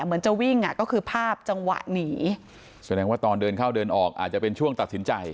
เหมือนจะวิ่งอ่ะก็คือภาพจังหวะหนีแสดงว่าตอนเดินเข้าเดินออกอาจจะเป็นช่วงตัดสินใจ